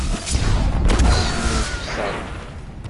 Isem-iw Sally